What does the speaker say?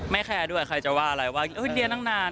แคร์ด้วยใครจะว่าอะไรว่าเดียตั้งนาน